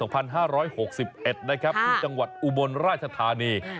นะครับที่จังหวัดอุบลราชธานี